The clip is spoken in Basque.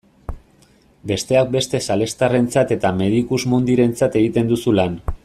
Besteak beste salestarrentzat eta Medicus Mundirentzat egiten duzu lan.